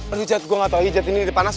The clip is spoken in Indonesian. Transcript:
aduh jat gue gak tau lagi jat ini ini panas